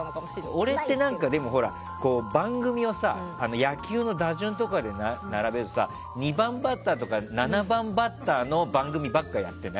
俺って、番組を野球の打順とかで並べるとさ２番バッターとか７番バッターの番組ばかりやってない？